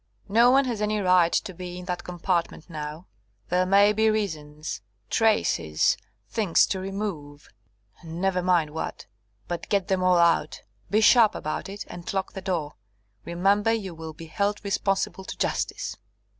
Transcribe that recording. No one has any right to be in that compartment now. There may be reasons traces things to remove; never mind what. But get them all out. Be sharp about it; and lock the door. Remember you will be held responsible to justice."